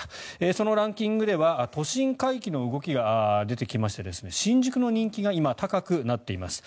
そのランキングでは都心回帰の動きが出てきまして新宿の人気が今、高くなっています。